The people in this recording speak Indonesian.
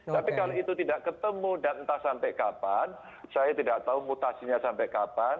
tapi kalau itu tidak ketemu dan entah sampai kapan saya tidak tahu mutasinya sampai kapan